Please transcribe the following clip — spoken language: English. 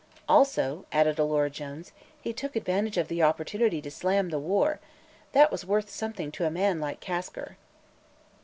"Also," added Alora Jones, "he took advantage of the opportunity to slam the war. That was worth something to a man like Kasker."